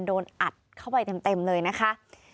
โดนอัดเข้าไปเต็มเลยนะคะ